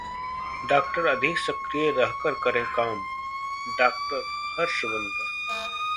doctor अधिक सक्रिय रह कर करें काम: डॉ हर्षवर्धन